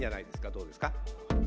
どうですか？